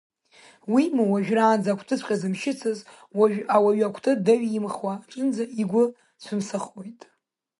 Уимоу, уажәраанӡа акәтыҵәҟьа зымшьыцыз уажә ауаҩы акәты даҩимхуа аҿынӡа игәы цәымсахоит.